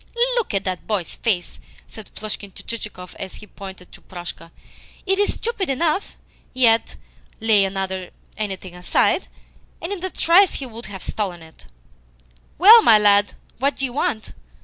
"Look at that boy's face!" said Plushkin to Chichikov as he pointed to Proshka. "It is stupid enough, yet, lay anything aside, and in a trice he will have stolen it. Well, my lad, what do you want?"